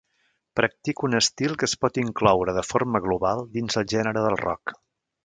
Practica un estil que es pot incloure, de forma global, dins el gènere del rock.